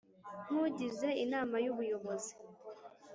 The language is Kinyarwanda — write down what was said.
nk ugize Inama y Ubuyobozi